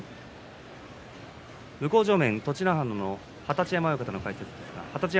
向正面、栃乃花の二十山親方に聞きます。